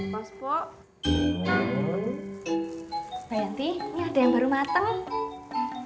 pak yanti ini ada yang baru mateng